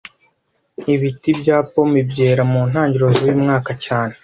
Ibiti bya pome byera mu ntangiriro zuyu mwaka cyane